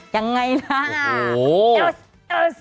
ยังไงล่ะ